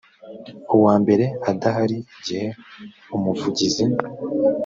uwambere adahari igihe umuvugizi